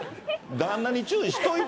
旦那に注意しといて。